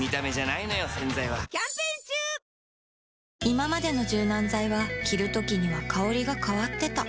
いままでの柔軟剤は着るときには香りが変わってた